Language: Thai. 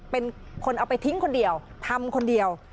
เป็นคนเอาไปทิ้งคนเดียวทำคนเดียว